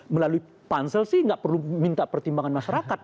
melalui pansel sih nggak perlu minta pertimbangan masyarakat